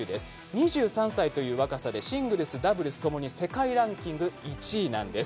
２３歳という若さでシングルス、ダブルスともに世界ランキング１位なんです。